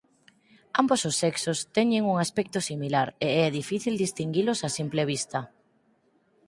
Ambos os sexos teñen un aspecto similar e é difícil distinguilos a simple vista.